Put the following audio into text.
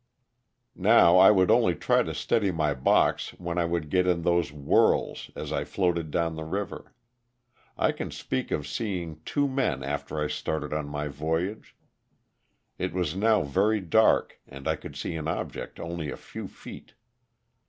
Now I would only try to steady my box when I would get in those whirls as I floated down the river. I can speak of seeing two men after I started on my voyage; it was now very dark and I could see an object only a few feet.